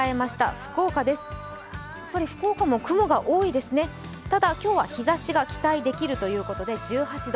福岡も雲が多いですね、ただ今日は日差しが期待できるということで１８度。